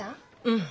うん。